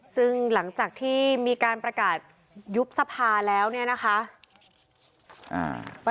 ซึ่งหลังจากที่มีการประกาศยุบสภาแล้วเนี่ยนะคะ